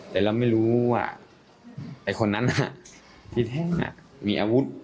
แต่เราไม่รู้ว่าไอ้คนนั้นที่แท้มีอาวุธ